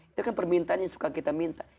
itu kan permintaan yang suka kita minta